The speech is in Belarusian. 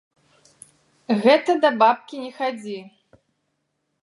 Гэта да бабкі не хадзі!